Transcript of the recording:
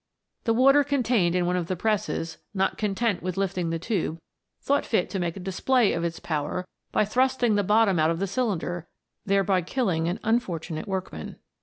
The water contained in one of the presses, not content with lifting the tube, thought fit to make a display of its power by thrusting the bottom out of the cylinder, thereby killing an unfortunate workman.